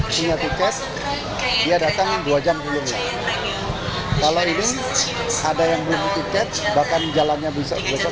punya tiket dia datang dua jam sebelumnya kalau ini ada yang beli tiket bahkan jalannya bisa besok